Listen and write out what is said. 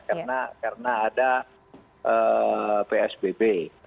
karena ada psbb